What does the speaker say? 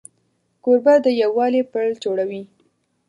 کوربه د یووالي پل جوړوي.